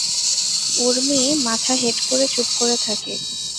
ঊর্মি মাথা হেঁট করে চুপ করে থাকে।